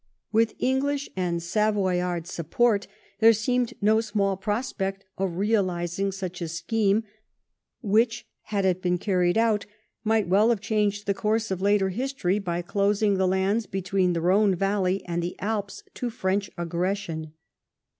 With English and Savo^^ard support there seemed no small prospect of realising such a scheme, which, had it been carried out, might well have changed the course of later history by closing the lands between the Rhone valley and the Alps to French aggression.